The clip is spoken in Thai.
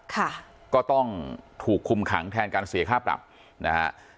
ค่ะก็ต้องถูกคุมขังแทนการเสียค่าปรับนะฮะ